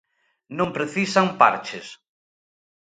Non precisan parches.